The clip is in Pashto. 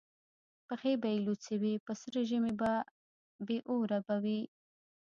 پښې به یې لوڅي وي په سره ژمي بې اوره به وي